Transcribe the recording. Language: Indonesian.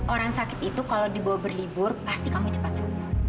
orang sakit itu kalau dibawa berlibur pasti kamu cepat sembuh